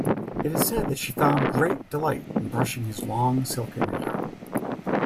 It is said that she found great delight in brushing his long silken hair.